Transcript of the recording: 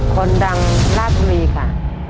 คนดังราชบุรีค่ะ